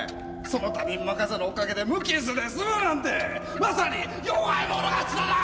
その他人任せのおかげで無傷で済むなんてまさに弱い者勝ちだな！